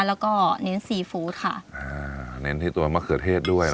แล้วก็เน้นซีฟู้ดค่ะอ่าเน้นที่ตัวมะเขือเทศด้วย